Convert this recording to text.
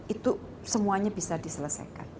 itu semuanya bisa diselesaikan